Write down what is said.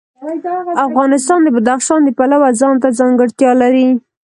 افغانستان د بدخشان د پلوه ځانته ځانګړتیا لري.